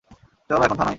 চলো এখন থানায়।